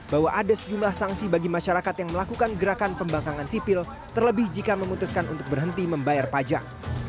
bahwa ada sejumlah sanksi bagi masyarakat yang melakukan gerakan pembangkangan sipil terlebih jika memutuskan untuk berhenti membayar pajak